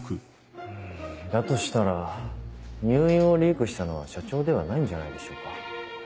だとしたら入院をリークしたのは社長ではないんじゃないでしょうか？